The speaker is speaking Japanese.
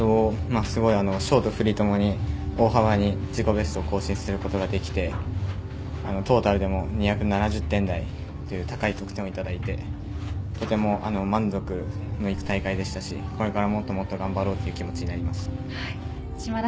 ショート、フリー共に大幅に自己ベストを更新することができてトータルでも２７０点台という高い得点をいただいてとても満足のいく大会でしたしこれからもっともっと頑張ろうという気持ちになりました。